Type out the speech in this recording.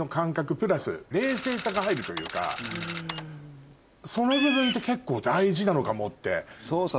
プラス冷静さが入るというかその部分って結構大事なのかもって。